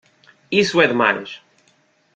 Isso é demais!